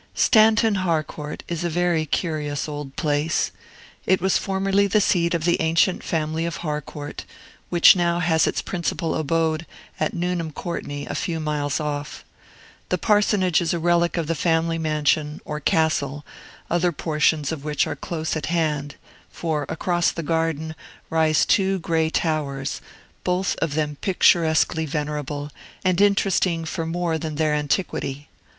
Stanton Harcourt is a very curious old place. It was formerly the seat of the ancient family of Harcourt, which now has its principal abode at Nuneham Courtney, a few miles off. The parsonage is a relic of the family mansion, or castle, other portions of which are close at hand; for, across the garden, rise two gray towers, both of them picturesquely venerable, and interesting for more than their antiquity.